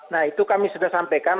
nah itu kami sudah sampaikan